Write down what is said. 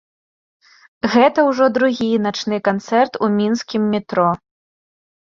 Гэта ўжо другі начны канцэрт у мінскім метро.